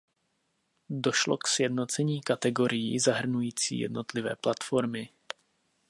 Došlo k sjednocení kategorií zahrnující jednotlivé platformy.